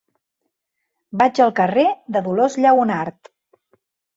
Vaig al carrer de Dolors Lleonart.